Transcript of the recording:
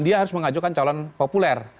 dia harus mengajukan calon populer